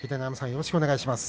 よろしくお願いします。